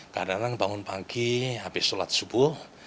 kadang kadang bangun pagi habis sholat subuh